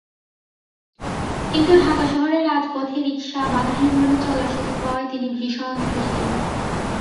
কিন্তু ঢাকা শহরের রাজপথে রিকশা বাধাহীনভাবে চলার সুযোগ পাওয়ায় তিনি ভীষণ খুশি।